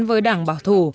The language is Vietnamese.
với đảng bảo thủ